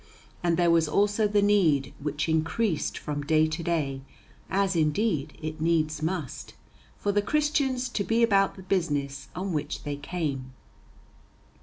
And there was also the need which increased from day to day, as, indeed, it needs must, for the Christians to be about the business on which they came.